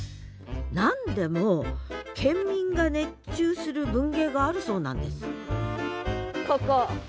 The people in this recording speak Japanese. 何でも県民が熱中する文芸があるそうなんですここ。